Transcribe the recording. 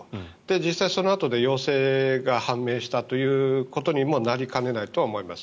実際にそのあとで陽性が判明したということにもなりかねないと思います。